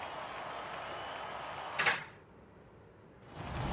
V prostoru nástupiště podpírají strop dvě řady sloupů.